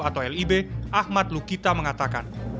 atau lib ahmad lukita mengatakan